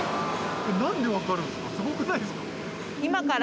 何で分かるんですか？